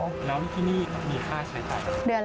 สักทีนี้มาหรือยัง